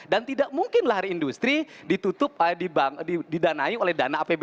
dan tidak mungkinlah industri ditutup